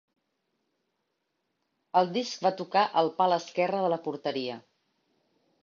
El disc va tocar el pal esquerre de la porteria.